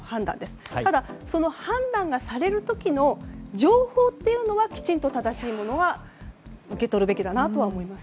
ただ、判断がされる時の情報というのはきちんと正しいものは受け取るべきだなと思います。